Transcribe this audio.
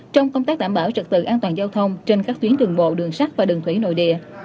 trong công tác đảm bảo trật tự an toàn giao thông trên các tuyến đường bộ đường sắt và đường thủy nội địa